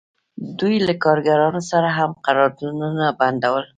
دوی له کارګرانو سره هم قراردادونه بندول